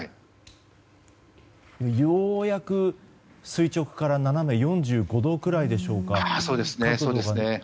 ようやく垂直から斜め４５度くらいでしょうか。